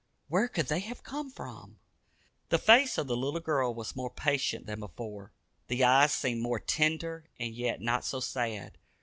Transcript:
Where could they have come from? The face of the little girl was more patient than before. The eyes seemed more tender, and yet not so sad.